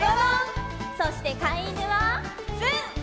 そしてかいいぬはつん！